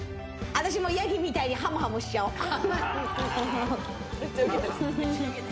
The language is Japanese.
私もヤギみたいにハムハムしちゃおう！